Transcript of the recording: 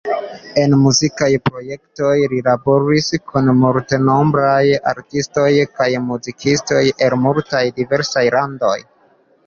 En muzikaj projektoj li laboris kun multenombraj artistoj kaj muzikistoj el multaj diversaj landoj.